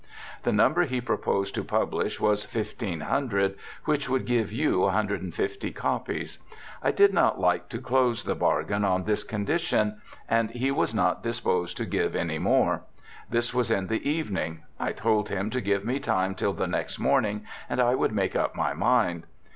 The number he proposed to pubhsh was fifteen hundred, which would give you 150 copies. I did not Hke to close the bargain on this condition, and he was not disposed to give any more. This was in the evening. I told him to give me time till the next morning, and I would make up my mind.